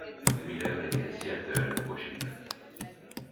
Miller est né à Seattle, Washington.